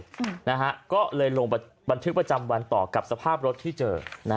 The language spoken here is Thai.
อืมนะฮะก็เลยลงบันทึกประจำวันต่อกับสภาพรถที่เจอนะฮะ